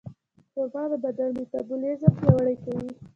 خرما د بدن میتابولیزم پیاوړی کوي.